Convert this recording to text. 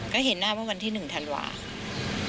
ก็เห็นหน้าว่าวันที่๑ธันวาคม